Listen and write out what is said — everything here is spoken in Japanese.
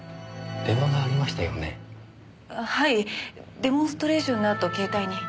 デモンストレーションのあと携帯に。